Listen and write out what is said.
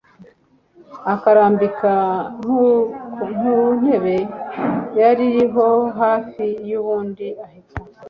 akarambika nkuntebe yari aho hafi ubundi ahita